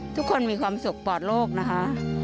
ทุกคนมีความสุขปลอดโลกนะคะ